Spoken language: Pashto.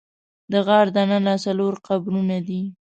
د غار دننه څلور قبرونه دي.